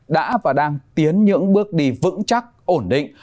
đã và đang tiến những bước đi vững chắc ổn định